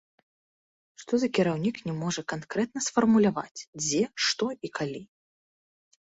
Што за кіраўнік не можа канкрэтна сфармуляваць дзе, што і калі.